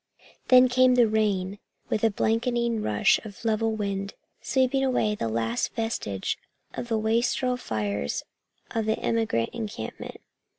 Then came the rain, with a blanketing rush of level wind, sweeping away the last vestige of the wastrel fires of the emigrant encampment.